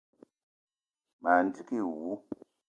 Ma ndigui wou.